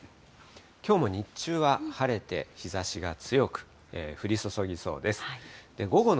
きょうも日中は晴れて日ざしが強く降り注ぎそうです。